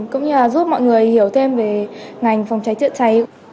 cũng như là giúp mọi người hiểu thêm về ngành phòng cháy chữa cháy